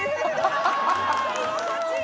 居心地いい！